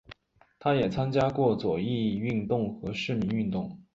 他也参加过左翼运动和市民运动。